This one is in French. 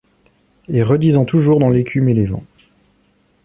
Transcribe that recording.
Et redisant toujours dans l'écume et les vents